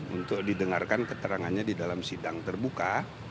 untuk didengarkan keterangannya di dalam sidang terbuka